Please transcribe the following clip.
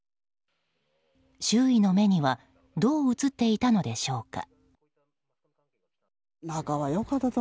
周囲の目にはどう映っていたのでしょうか。